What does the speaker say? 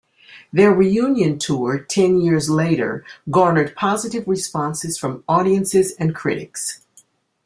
Their reunion tour ten years later garnered positive responses from audiences and critics.